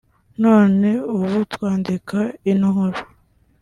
none ubu twandika ino nkuru